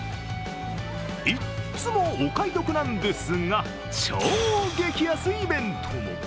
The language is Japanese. いっつもお買い得なんですが、超激安イベントも。